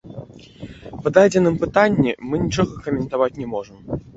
Па дадзеным пытанні мы нічога каментаваць не можам.